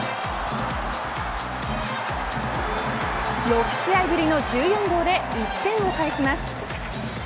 ６試合ぶりの１４号で１点を返します。